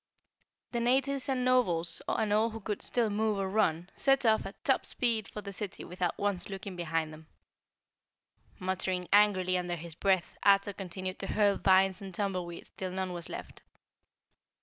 The natives and Nobles and all who could still move or run set off at top speed for the city without once looking behind them. Muttering angrily under his breath, Ato continued to hurl vines and tumbleweeds till none was left.